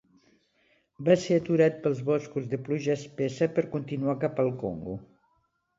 Va ser aturat pels boscos de pluja espessa per continuar cap al Congo.